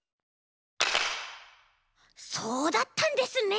そうだったんですね。